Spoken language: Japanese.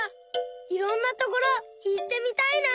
いろんなところいってみたいな！